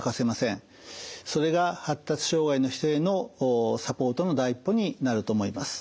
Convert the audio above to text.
それが発達障害の人へのサポートの第一歩になると思います。